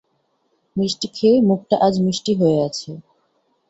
মিষ্টি খেয়ে মুখটা আজ মিষ্টি হয়ে আছে।